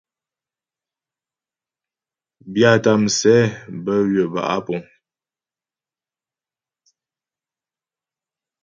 Byâta msɛ bə́ ywə̌ bə́ á puŋ.